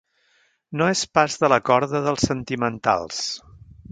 No és pas de la corda dels sentimentals.